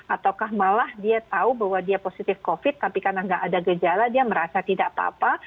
ataukah malah dia tahu bahwa dia positif covid tapi karena nggak ada gejala dia merasa tidak apa apa